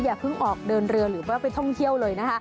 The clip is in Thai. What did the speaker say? อย่าเพิ่งออกเดินเรือหรือว่าไปท่องเที่ยวเลยนะคะ